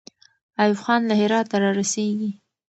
ایوب خان له هراته را رسېږي.